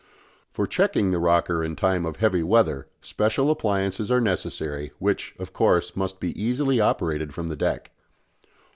For checking the rocker in time of heavy weather special appliances are necessary, which, of course, must be easily operated from the deck.